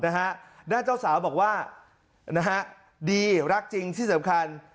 นะฮะด้านเจ้าสาวบอกว่านะฮะดีรักจริงที่สำคัญ